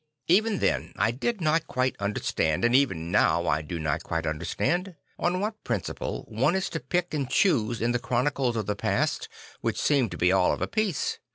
Even then I did not quite understand, and even now I do not quite understand, on what 15 6 St. Francis of Assisi principle one is to pick and choose in the chronicles of the past which seem to be all of a piece.